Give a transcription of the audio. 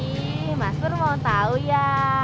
ih mas pur mau tau ya